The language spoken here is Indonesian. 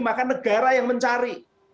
maka negara yang mencari